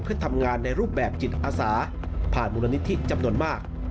เพื่อทำงานในรูปแบบจิตอาสาผ่านมูลนิธิจำนวนมาก